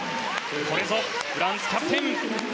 これぞフランスキャプテン！